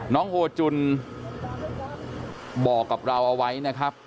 น้องโฮจุนบอกกับเราเอาไว้นะครับ